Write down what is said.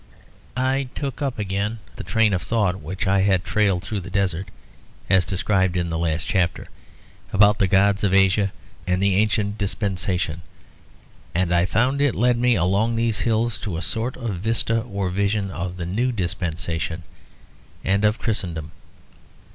I took up again the train of thought which I had trailed through the desert, as described in the last chapter, about the gods of Asia and of the ancient dispensation, and I found it led me along these hills to a sort of vista or vision of the new dispensation and of Christendom.